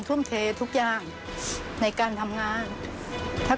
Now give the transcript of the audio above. สวัสดีครับ